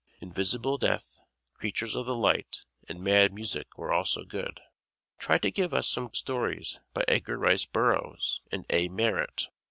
"Invisible Death," "Creatures of the Light" and "Mad Music" were also good. Try to give us some stories by Edgar Rice Burroughs and A. Merritt.